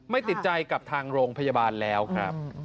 ติดใจกับทางโรงพยาบาลแล้วครับ